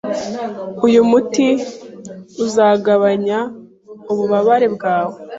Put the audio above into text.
Uyu muti uzagabanya ububabare bwawe.